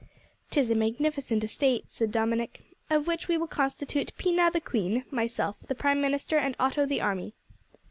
"'Tis a magnificent estate," said Dominick, "of which we will constitute Pina the Queen, myself the Prime Minister, and Otto the army."